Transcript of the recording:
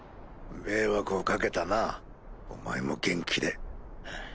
迷惑を掛けたなお前も元気で。